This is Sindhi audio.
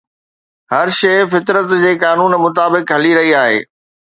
هر شيءِ فطرت جي قانون مطابق هلي رهي آهي.